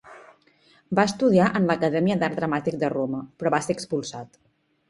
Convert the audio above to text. Va estudiar en l'Acadèmia d'Art Dramàtic de Roma, però va ser expulsat.